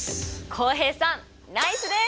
浩平さんナイスです！